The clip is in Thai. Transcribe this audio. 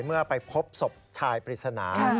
เมื่อไปพบศพชายปริศนา